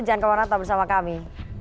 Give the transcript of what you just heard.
jangan kemarau marau bersama kami